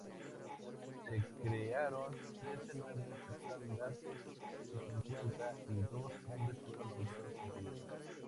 Se crearon trece nuevos estandartes y cincuenta y dos hombres fueron nombrados caballeros.